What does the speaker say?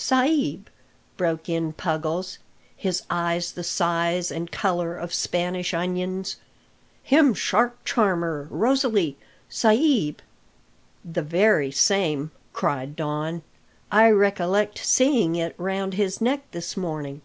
"Sa'b," broke in Puggles, his eyes the size and colour of Spanish onions, "him shark charmer rosilly, sa'b!" "The very same!" cried Don. "I recollect seeing it round his neck this morning."